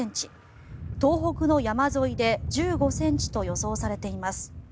東北の山沿いで１５ｃｍと予想されています。